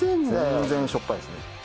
全然しょっぱいですね。